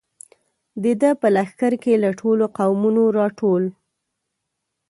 د ده په لښکر کې له ټولو قومونو را ټول.